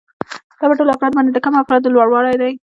دا په ټولو افرادو باندې د کمو افرادو لوړوالی دی